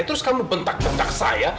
terus kamu bentak becak saya